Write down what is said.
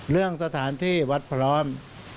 เรื่องสถานที่วัดพร้อม